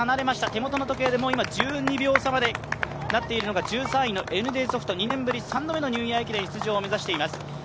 手元の時計で１２秒差までなっているのが１３位のＮＤソフト、２年ぶり３度目のニューイヤー駅伝出場を目指しています。